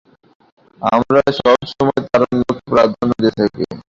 আমরা সব সময় তারুণ্যকে প্রাধান্য দিয়ে থাকি।